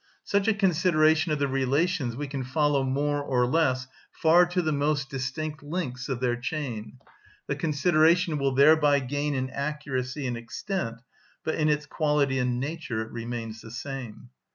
Such a consideration of the relations we can follow more or less far to the most distant links of their chain: the consideration will thereby gain in accuracy and extent, but in its quality and nature it remains the same.